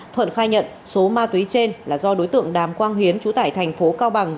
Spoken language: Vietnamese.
thuận khai nhận số ma túy trên là do đối tượng đàm quang hiến chú tải thành phố cao bằng